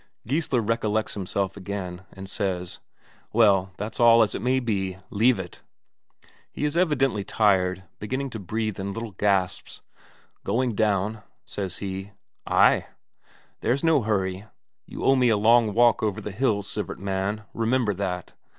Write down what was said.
Geissler recollects himself again, and says: "Well, all that's as it may be; leave it!" He is evidently tired, beginning to breathe in little gasps. "Going down?" says he. "Ay." "There's no hurry. You owe me a long walk over the hills, Sivert man, remember that?